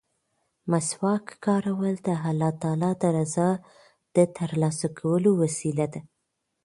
مسواک کارول د الله تعالی د رضا د ترلاسه کولو وسیله ده.